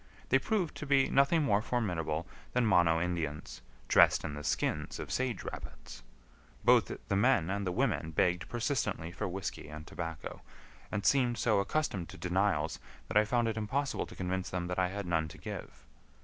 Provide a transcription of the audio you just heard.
They proved to be nothing more formidable than Mono Indians dressed in the skins of sage rabbits. Both the men and the women begged persistently for whisky and tobacco, and seemed so accustomed to denials that I found it impossible to convince them that I had none to give.